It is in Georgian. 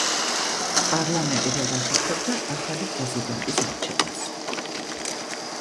პარლამენტი ვერ ახერხებდა ახალი პრეზიდენტის არჩევას.